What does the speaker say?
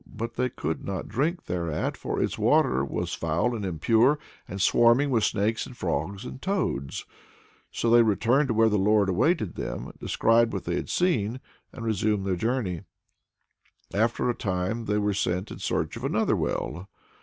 But they could not drink thereat, for its water was foul and impure, and swarming with snakes and frogs and toads. So they returned to where the Lord awaited them, described what they had seen, and resumed their journey. After a time they were sent in search of another well.